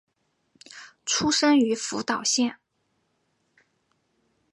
出身于福岛县。